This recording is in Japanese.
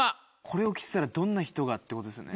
これを着てたらどんな人がってことですよね。